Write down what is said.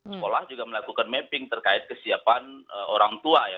sekolah juga melakukan mapping terkait kesiapan orang tua ya